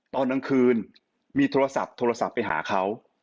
ตอนกลางคืนมีโทรศัพท์ไปหาเขา